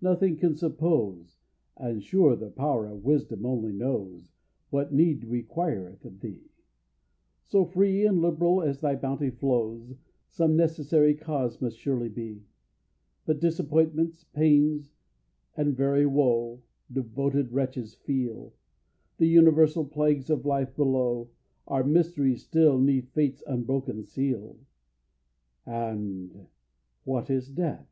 nothing can suppose (And sure the Power of Wisdom only knows), What need requireth thee: So free and liberal as thy bounty flows, Some necessary cause must surely be. But disappointments, pains, and every woe Devoted wretches feel, The universal plagues of life below, Are mysteries still 'neath Fate's unbroken seal. And what is Death?